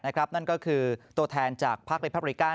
นั่นก็คือตัวแทนจากภาคริปแพลบริกัน